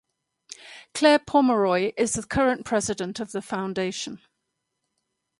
Claire Pomeroy is the current President of the Foundation.